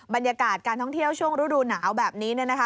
บรรยากาศการท่องเที่ยวช่วงฤดูหนาวแบบนี้เนี่ยนะคะ